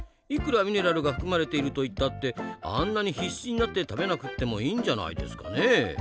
いくらミネラルが含まれているといったってあんなに必死になって食べなくてもいいんじゃないですかね？